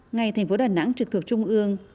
ngày thành phố đà nẵng trực thuộc trung ương